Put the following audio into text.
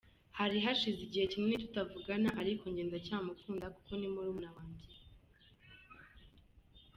Hari hashize igihe kinini tutavugana ariko njye ndacyamukunda kuko ni murumuna wanjye.